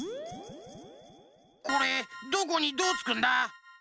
これどこにどうつくんだ？